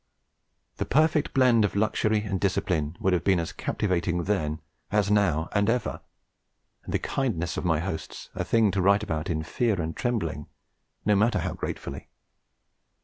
The perfect blend of luxury and discipline would have been as captivating then as now and ever, and the kindness of my hosts a thing to write about in fear and trembling, no matter how gratefully.